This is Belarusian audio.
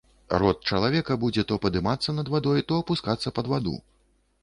Рот чалавека будзе то падымацца над вадой, то апускацца пад ваду.